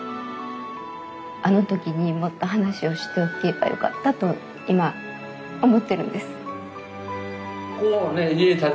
あの時にもっと話をしておけばよかったと今思ってるんです。